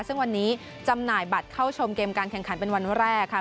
ซึ่งวันนี้จำหน่ายบัตรเข้าชมเกมการแข่งขันเป็นวันแรกค่ะ